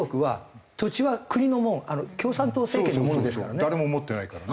誰も持ってないからね。